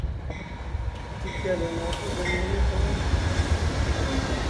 تورکیا لە ناتۆ دەمێنێتەوە؟